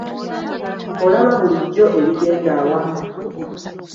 Olaba bulijjo ebigenda awamu.